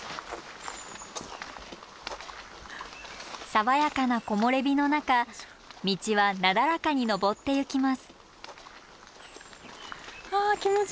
爽やかな木漏れ日の中道はなだらかに登ってゆきます。